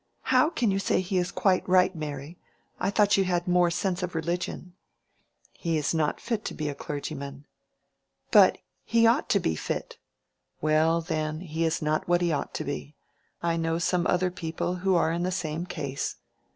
"How can you say he is quite right, Mary? I thought you had more sense of religion." "He is not fit to be a clergyman." "But he ought to be fit."—"Well, then, he is not what he ought to be. I know some other people who are in the same case."